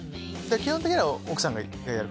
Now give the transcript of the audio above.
基本的には奥さんがやる？